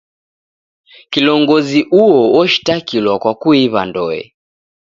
Kilongozi uo oshitakilwa kwa kuiw'a ndoe.